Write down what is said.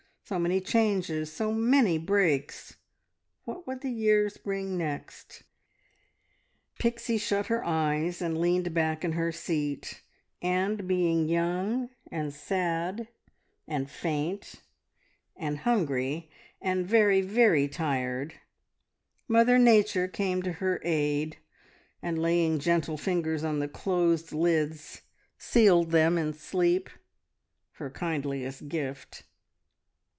So many changes, so many breaks. What would the years bring next? Pixie shut her eyes and leaned back in her seat, and being young, and sad, and faint, and hungry, and very, very tired, Mother Nature came to her aid, and laying gentle fingers on the closed lids sealed them in sleep, her kindliest gift.